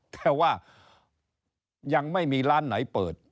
แต่ว่ายังไม่มีร้านไหนเปิด